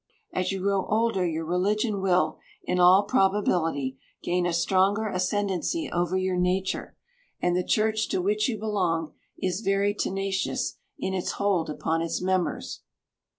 As you grow older your religion will, in all probability, gain a stronger ascendency over your nature, and the church to which you belong is very tenacious in its hold upon its members.